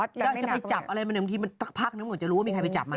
จะไปจับอะไรบางทีมันจะหลักจะมีใครไปจับมัน